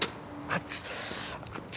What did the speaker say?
あっち。